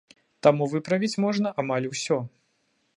Таму выправіць можна амаль усё.